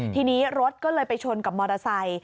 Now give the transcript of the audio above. ทีนี้รถก็เลยไปชนกับมอเตอร์ไซค์